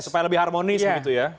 supaya lebih harmonis begitu ya